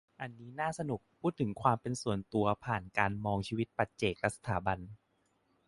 อันนี้น่าสนุก พูดถึงความเป็นส่วนตัว ผ่านการมองชีวิตปัจเจกและสถาบัน